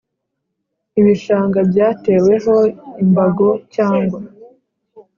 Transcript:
ibishanga byateweho imbago cyangwa